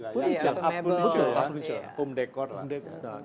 furniture juga ya